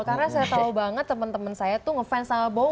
karena saya tahu banget teman teman saya tuh ngefans sama bowo